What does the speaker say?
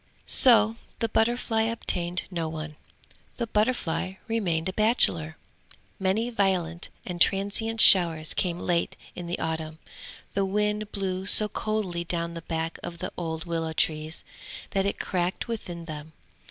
So the butterfly obtained no one. The butterfly remained a bachelor. Many violent and transient showers came late in the autumn; the wind blew so coldly down the back of the old willow trees, that it cracked within them.